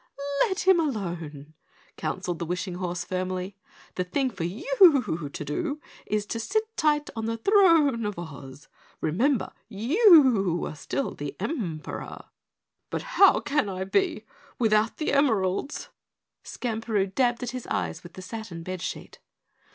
"Let him alone," counseled the wishing horse firmly. "The thing for you to do is to sit tight on the throne of Oz. Remember you are still the Emperor!" "But how can I be, without those emeralds?" Skamperoo dabbed at his eyes with the satin bed sheet.